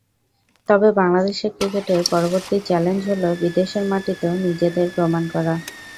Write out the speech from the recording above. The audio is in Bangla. তবে বাংলাদেশের ক্রিকেটের পরবর্তী চ্যালেঞ্জ হলো, বিদেশের মাটিতেও নিজেদের প্রমাণ করা।